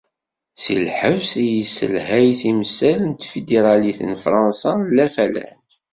Si lḥebs, i yesselḥay timsal n Tfidiralit n Fransa n Lafalan.